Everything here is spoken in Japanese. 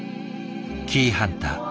「キイハンター」